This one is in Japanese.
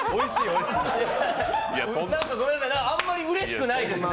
いや、あんまりうれしくないですね。